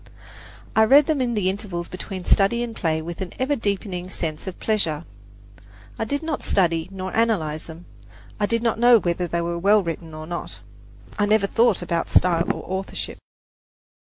I read them in the intervals between study and play with an ever deepening sense of pleasure. I did not study nor analyze them I did not know whether they were well written or not; I never thought about style or authorship.